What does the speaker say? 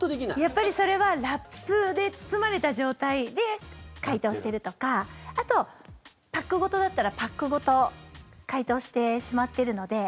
やっぱり、それはラップで包まれた状態で解凍してるとかあと、パックごとだったらパックごと解凍してしまっているので。